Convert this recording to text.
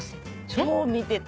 超見てた。